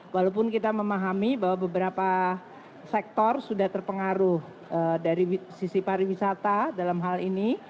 walaupun kita memahami bahwa beberapa sektor sudah terpengaruh dari sisi pariwisata dalam hal ini